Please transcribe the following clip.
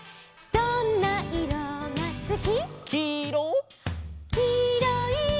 「どんないろがすき」「」